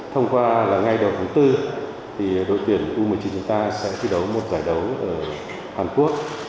thông qua là ngay đầu tháng bốn đội tuyển u một mươi chín chúng ta sẽ thi đấu một giải đấu ở hàn quốc